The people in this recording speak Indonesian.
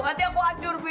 nanti aku ancur pi